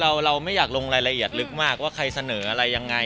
เราไม่อยากลงรายละเอียดลึกมากว่าใครเสนออะไรยังไง